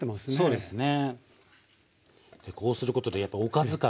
そうですね。